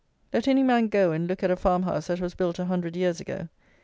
Let any man go and look at a farmhouse that was built a hundred years ago.